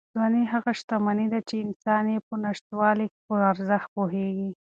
ځواني هغه شتمني ده چې انسان یې په نشتوالي کې په ارزښت پوهېږي.